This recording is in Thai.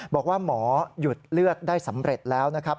บอกว่าหมอหยุดเลือดได้สำเร็จแล้วนะครับ